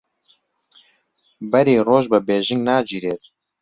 بەری ڕۆژ بە بێژنگ ناگیرێت